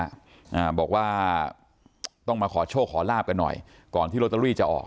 อ่าบอกว่าต้องมาขอโชคขอลาบกันหน่อยก่อนที่โรตเตอรี่จะออก